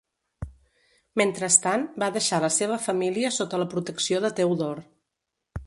Mentrestant, va deixar la seva família sota la protecció de Teodor.